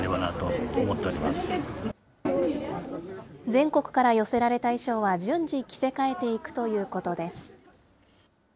全国から寄せられた衣装は、順次着せ替えていくということです。